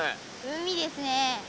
海ですね。